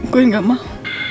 gue gak mau